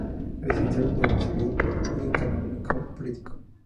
Licenciado en Derecho Civil y Canónico Político.